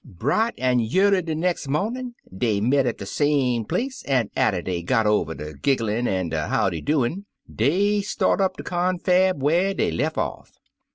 Bright an' 3r'early de nex' momin' dey met at de same place, an', atter dey got over der gigglin' an' der howdy doin', dey start up de confab whar dey lef off.